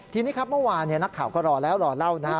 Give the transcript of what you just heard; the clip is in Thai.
ทีนี้ครับเมื่อวานนักข่าวก็รอแล้วรอเล่านะฮะ